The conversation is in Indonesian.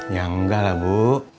ya enggak lah bu